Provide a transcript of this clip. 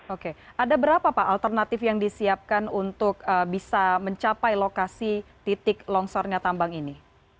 oke ada berapa pak alternatif yang disiapkan untuk bisa mencapai lokasi titik longsornya tambang ini